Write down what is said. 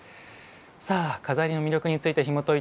さあ錺の魅力についてひもといていく